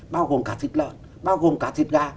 bao gồm cả thịt lợn bao gồm cả thịt gà